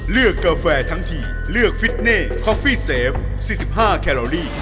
กาแฟทั้งทีเลือกฟิตเน่คอฟฟี่เซฟ๔๕แคลอรี่